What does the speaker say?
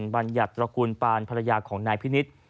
บัญญัตรกูลปานภรรยาของนายพินิศ